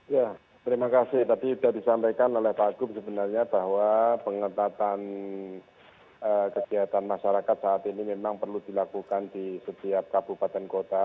ya terima kasih tadi sudah disampaikan oleh pak gub sebenarnya bahwa pengetatan kegiatan masyarakat saat ini memang perlu dilakukan di setiap kabupaten kota